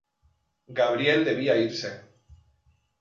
Gabriel debía irse.